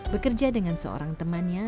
bekerja dengan seorang temannya